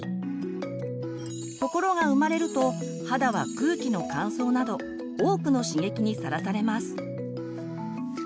ところが生まれると肌は空気の乾燥など多くの刺激にさらされます。